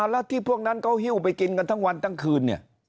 แล้วที่พวกนั้นเขาหิ้วไปกินกันทั้งวันทั้งคืนเนี่ย